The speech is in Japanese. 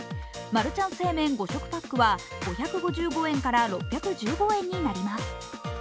マルちゃん正麺５食パックは５５５円から６１５円になります。